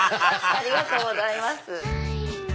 ありがとうございます。